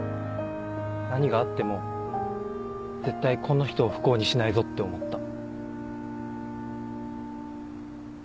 何があっても絶対この人を不幸にしないぞって思った。